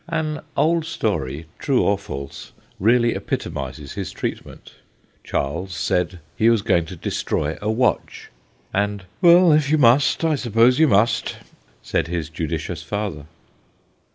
An old story, 226 THE GHOSTS OF PICCADILLY true or false, really epitomises his treat ment : Charles said he was going to destroy a watch ; and * well, if you must, I suppose you must,' said his judicious father.